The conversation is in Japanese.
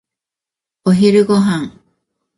お昼ご飯。